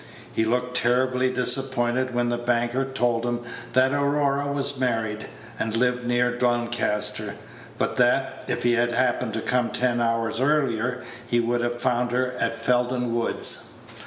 He looked terribly disappointed when the banker told him that Aurora was married, and lived near Doncaster; but that, if he had happened to come ten hours earlier, he would have found her at Felden Woods.